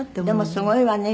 でもすごいわね。